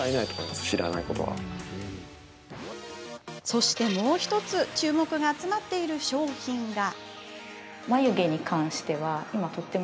そしてもう１つ注目が集まっている商品が。